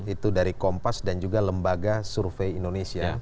itu dari kompas dan juga lembaga survei indonesia